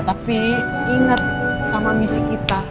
tapi ingat sama misi kita